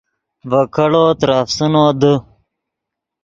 ڤے کیڑو ترے افسینو دے